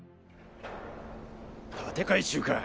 建て替え中か。